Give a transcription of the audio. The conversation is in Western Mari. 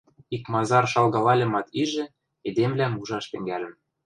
Икмазар шалгалальымат ижӹ, эдемвлӓм ужаш тӹнгӓльӹм.